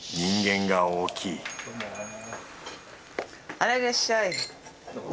あらいらっしゃい。